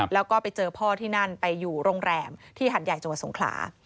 แล้วก็ไปเจอพ่อที่นั่นไปอยู่โรงแรมที่หัดใหญ่จังหวัดสงขลา